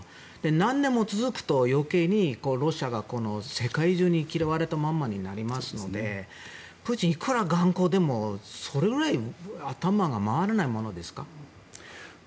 何年も続くと余計にロシアが世界中に嫌われたままになりますのでプーチンがいくら頑固でもそれぐらい頭が回らないものですか？